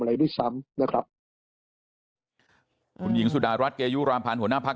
อะไรด้วยซ้ำนะครับคุณหญิงสุดารัฐเกยุรามผ่านหัวหน้าภาค